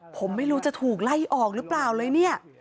ผมไม่รู้จะถูกไล่ออกหรือเปล่าเลยเนี่ย